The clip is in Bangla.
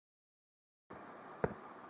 কুমু বললে, না দাদা, যাব না।